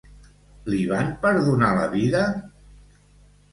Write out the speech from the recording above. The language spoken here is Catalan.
Li van perdonar la vida?